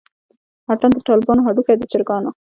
اتڼ دطالبانو هډوکے دچرګانو